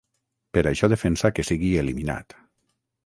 Per això defensa que sigui eliminat.